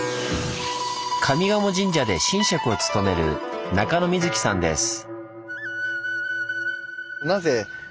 上賀茂神社で神職を務める中野瑞己さんです。